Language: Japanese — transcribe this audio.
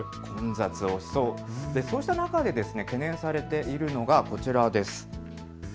そうした中で懸念されているのがこちらです。